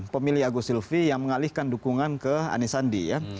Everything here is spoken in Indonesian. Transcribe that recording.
pemilih agus sylvi yang mengalihkan dukungan ke ani sandi ya